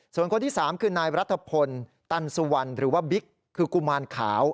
ส่วนคนที่๓คือนายรัฐพลตันสุวรรณหรือว่าบิ๊กคือกุมารขาว